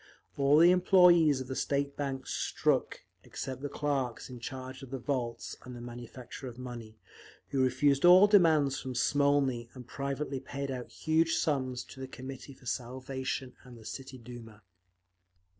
All the employees of the State Bank struck except the clerks in charge of the vaults and the manufacture of money, who refused all demands from Smolny and privately paid out huge sums to the Committee for Salvation and the City Duma.